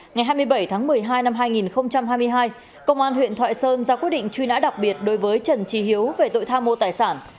ngày hai mươi bảy tháng một mươi hai năm hai nghìn hai mươi hai công an huyện thoại sơn ra quyết định truy nã đặc biệt đối với trần trí hiếu về tội tham mô tài sản